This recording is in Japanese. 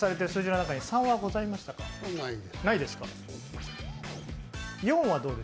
ないですか？